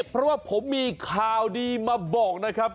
เพราะว่าผมมีข่าวดีมาบอกนะครับ